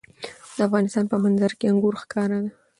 د افغانستان په منظره کې انګور ښکاره ده.